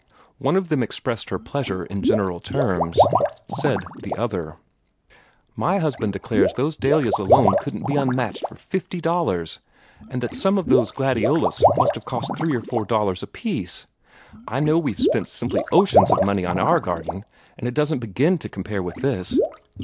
One of them expressed her pleasure in general terms. Said the other "My husband declares those dahlias alone couldn't be matched for thirty dollars, and that some of those gladiolus must have cost three or four dollars apiece. I know we've spent simply oceans of money on our garden, and it doesn't begin to compare with this."